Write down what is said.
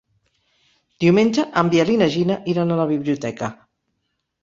Diumenge en Biel i na Gina iran a la biblioteca.